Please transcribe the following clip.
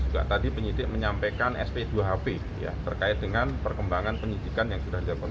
seperti apa sekarang masih di ucapan